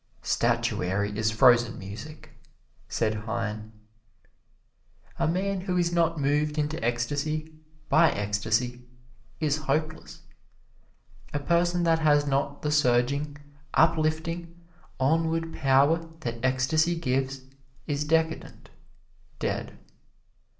"Statuary is frozen music," said Heine. A man who is not moved into ecstasy by ecstasy is hopeless. A people that has not the surging, uplifting, onward power that ecstasy gives, is decadent dead.